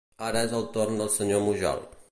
Ara és el torn del senyor Mujal.